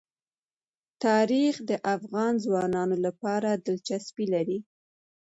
تاریخ د افغان ځوانانو لپاره دلچسپي لري.